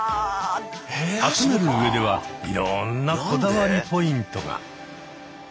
集める上ではいろんなこだわりポイントが。